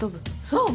そう。